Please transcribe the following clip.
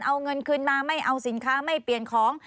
เอาเงินคืนมาไม่เอาสินค้าไม่เปลี่ยนของ